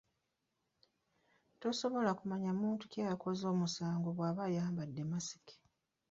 Tosobola kumanya muntu ki akoze musango bw'aba ayambadde masiki.